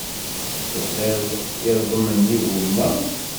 Tebɣiḍ iẓem n yigumma?